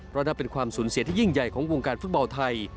เพราะนับเป็นความสูญเสียที่ยิ่งใหญ่ของวงการฟุตบอลไทย